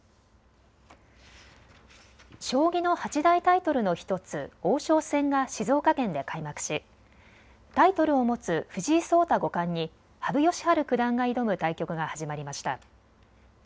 将棋の八大タイトルの１つ、王将戦が静岡県で開幕しタイトルを持つ藤井聡太五冠に羽生善治九段が挑む対局が始まりました。